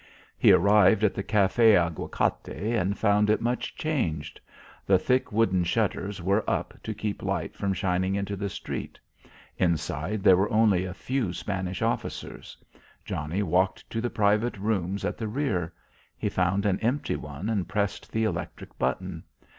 He arrived at the Café Aguacate and found it much changed. The thick wooden shutters were up to keep light from shining into the street. Inside, there were only a few Spanish officers. Johnnie walked to the private rooms at the rear. He found an empty one and pressed the electric button.